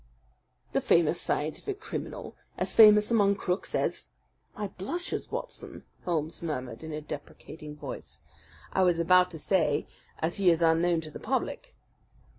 "The famous scientific criminal, as famous among crooks as " "My blushes, Watson!" Holmes murmured in a deprecating voice. "I was about to say, as he is unknown to the public."